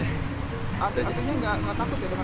artinya nggak takut ya karena virus corona itu seperti biasa